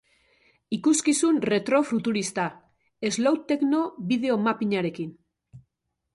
Ikuskizun retro futurista, slow-techno bideo mapping-arekin.